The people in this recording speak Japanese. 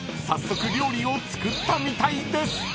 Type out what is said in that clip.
早速料理を作ったみたいです！］